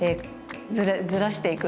ずらしていく。